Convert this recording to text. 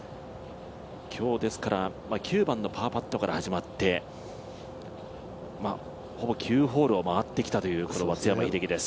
今日、９番のパーパットから始まってほぼ９ホールを回ってきたという松山英樹です。